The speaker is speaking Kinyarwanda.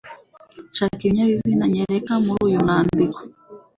shaka ibinyazina nyereka muri uyu mwandiko,